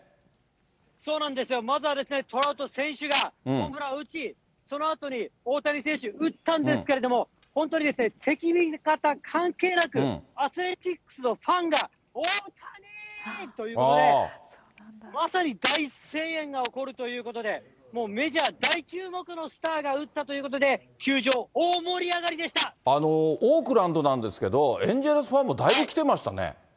そうなんですよ、まずはトラウト選手がホームランを打ち、そのあとに大谷選手、打ったんですけれども、本当にですね、敵味方関係なく、アスレチックスのファンが大谷！ということで、まさに大声援が起こるということで、もうメジャー大注目のスターが打ったということで、球場、オークランドなんですけど、エンゼルスファンもだいぶ来てましたね。